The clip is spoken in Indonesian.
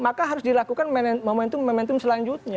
maka harus dilakukan momentum momentum selanjutnya